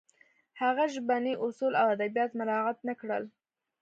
هغه ژبني اصول او ادبیات مراعت نه کړل